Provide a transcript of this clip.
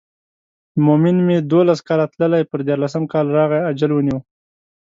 مومن مې دولس کاله تللی پر دیارلسم کال راغی اجل ونیو.